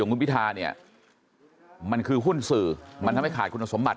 คุณพิธาเนี่ยมันคือหุ้นสื่อมันทำให้ขาดคุณสมบัติ